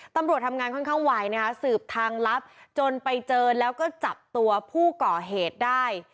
ตำรวจทำงานค่อนข้างไวนะคะสืบทางลับจนไปเจอแล้วก็จับตัวผู้ก่อเหตุได้